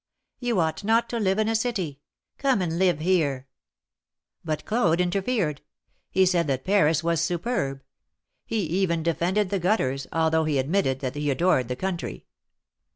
You ought not to live in a city; come and live here." But Claude interfered. He said that Paris was superb. He even defended the gutters, although he admitted that he adored the country.